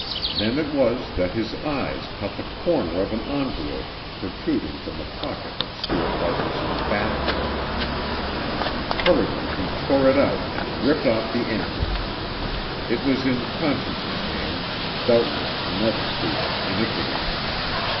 Then it was that his eyes caught the corner of an envelope protruding from the pocket of Stuart Farquaharson's bath robe. Hurriedly he tore it out and ripped off the end. It was in Conscience's hand doubtless another proof of iniquity.